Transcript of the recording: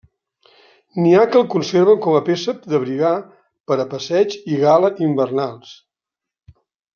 N'hi ha que el conserven com a peça d'abrigar per a passeig i gala hivernals.